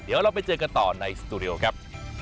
เดี๋ยวเราไปเจอกันต่อในสตูดิโอครับ